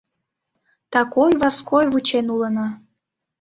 Такой-ваской вучен улына.